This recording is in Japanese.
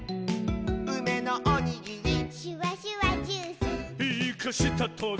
「うめのおにぎり」「シュワシュワジュース」「イカしたトゲ」